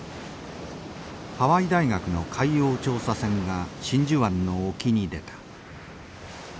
ハワイ大学の海洋調査船が真珠湾の沖に出た。